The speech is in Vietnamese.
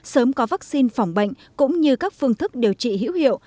sớm có vaccine phòng bệnh cũng như các phương thức điều trị hữu hiệu